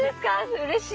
うれしい。